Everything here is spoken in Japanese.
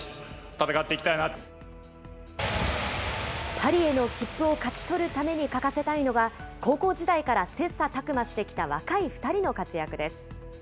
パリへの切符を勝ち取るために欠かせないのが、高校時代から切さたく磨してきた若い２人の活躍です。